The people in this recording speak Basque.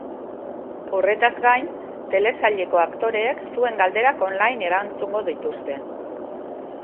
Horretaz gain, telesaileko aktoreek zuen galderak online erantzungo dituzte.